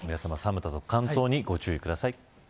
寒さと乾燥にご注意ください。